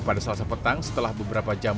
pada selasa petang setelah beberapa jam